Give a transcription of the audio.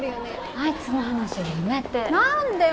あいつの話はやめて何でよ